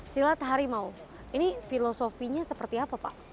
silat harimau ini filosofinya seperti apa pak